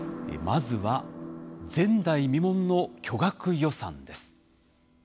まずは「前代未聞の巨額予算」です。